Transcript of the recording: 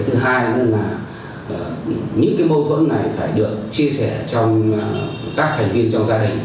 thứ hai những mâu thuẫn này phải được chia sẻ cho các thành viên trong gia đình